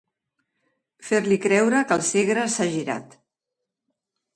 Fer-li creure que el Segre s'ha girat.